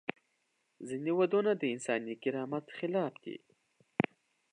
ځینې دودونه د انساني کرامت خلاف دي.